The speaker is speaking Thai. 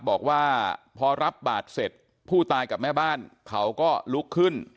บอกว่าพอรับบาทเสร็จผู้ตายกับแม่บ้านเขาก็ลุกขึ้น